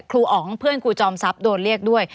อ๋องเพื่อนครูจอมทรัพย์โดนเรียกด้วย